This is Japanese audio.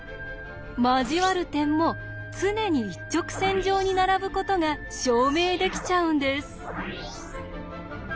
交わる点も常に一直線上に並ぶことが証明できちゃうんです。